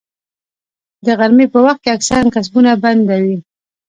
د غرمې په وخت کې اکثره کسبونه بنده وي